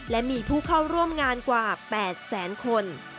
และมีผู้เข้าร่วมงานกว่า๘แสนคน